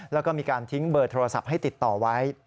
แล้วก็มีการทิ้งเบอร์โทรศัพท์ให้ติดต่อไว้